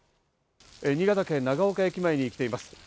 新潟県長岡駅前に来ています。